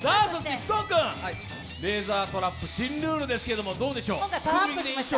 志尊君、レーザートラップ新ルールですけど、どうでしょう？